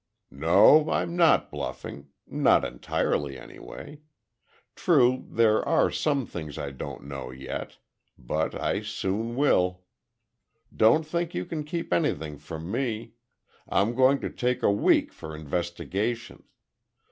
"No, I'm not bluffing—not entirely, anyway. True, there are some things I don't know yet, but—I soon will! Don't think you can keep anything from me! I'm going to take a week for investigation.